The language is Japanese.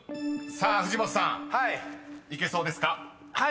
［さあ藤本さんいけそうですか？］